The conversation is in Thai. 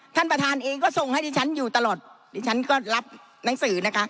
ท่านประธานเองก็ส่งให้ดิฉันอยู่ตลอดดิฉันก็รับหนังสือนะคะ